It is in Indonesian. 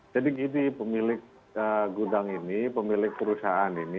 jadi pemilik gudang ini pemilik perusahaan ini